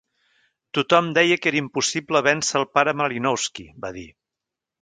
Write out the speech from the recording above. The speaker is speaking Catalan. "Tothom deia que era impossible vèncer el Pare Malinowski", va dir.